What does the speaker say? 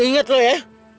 ingat lu ya